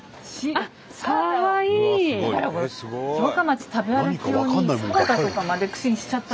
城下町食べ歩き用にサラダとかまで串にしちゃった。